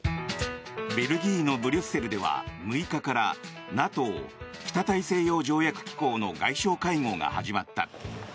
ベルギーのブリュッセルでは６日からＮＡＴＯ・北大西洋条約機構の外相会合が始まった。